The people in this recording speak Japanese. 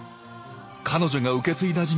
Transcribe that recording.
彼女が受け継いだ事業